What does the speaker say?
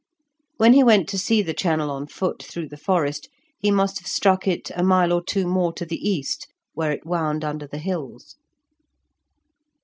When he went to see the channel on foot through the forest, he must have struck it a mile or two more to the east, where it wound under the hills.